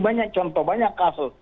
banyak contoh banyak kasus